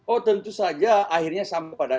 oh tentu saja akhirnya sama pada